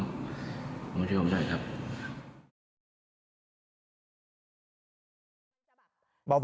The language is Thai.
ผมช่วยผมใช่ครับ